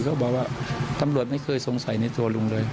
เขาบอกว่าตำรวจไม่เคยสงสัยในตัวลุงเลย